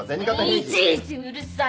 いちいちうるさいな！